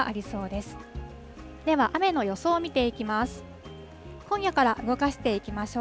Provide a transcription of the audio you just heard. では、雨の予想を見ていきます。